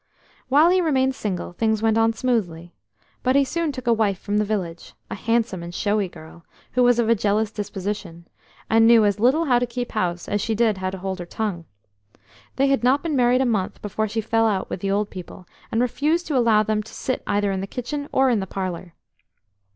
While he remained single, things went on smoothly, but he soon took a wife from the village, a handsome and showy girl, who was of a jealous disposition, and knew as little how to keep house as she did how to hold her tongue. They had not been married a month before she fell out with the old people, and refused to allow them to sit either in the kitchen or in the parlour.